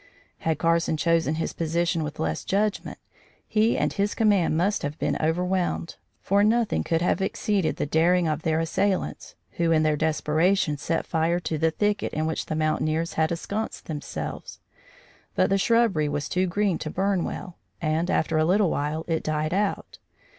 Had Carson chosen his position with less judgment, he and his command must have been overwhelmed, for nothing could have exceeded the daring of their assailants, who in their desperation set fire to the thicket in which the mountaineers had ensconced themselves; but the shrubbery was too green to burn well, and, after a little while, it died out.